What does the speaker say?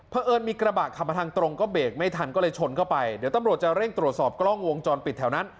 เพราะเอิญมีกระบะขับมาทางตรงก็เบรกไม่ทันก็เลยชนเข้าไปเดี๋ยวตำรวจจะเร่งตรวจสอบกล้องวงจรปิดแถวนั้น